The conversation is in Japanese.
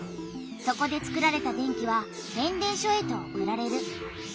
そこでつくられた電気は変電所へと送られる。